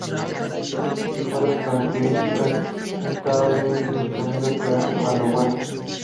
Otra característica de esta ave es el sonido que hace cuando vuela.